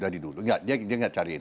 dari dulu dia enggak cari itu